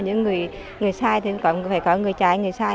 những người sai thì phải có người trái người sai